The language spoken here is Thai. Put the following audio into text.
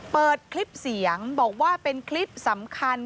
เปิดคลิปเสียงบอกว่าเป็นคลิปสำคัญ